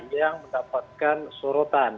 yang mendapatkan sorotan